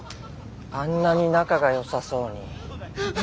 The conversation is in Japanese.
あんなに仲が良さそうに。